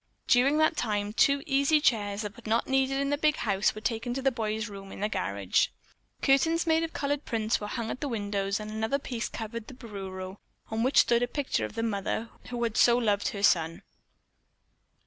During that time two easy chairs that were not needed in the big house were taken to the boy's room in the garage. Curtains made of colored prints were hung at the windows and another piece covered the bureau on which stood a picture of the mother who had so loved her son.